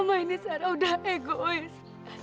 selama ini sarah udah egois